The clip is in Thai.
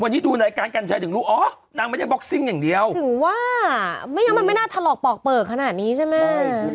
วันนี้ดูรายการกันชัยถึงรู้อ๋อนางไม่ได้บ็อกซิ่งอย่างเดียวถือว่าไม่งั้นมันไม่น่าถลอกปอกเปลือกขนาดนี้ใช่ไหม